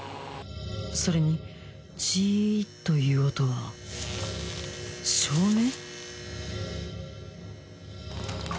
それに「ジ」という音は照明？